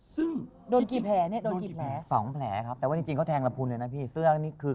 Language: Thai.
ซึ่งโดนกี่แผลเนี่ย